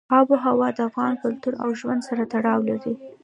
آب وهوا د افغان کلتور او ژوند سره تړاو لري.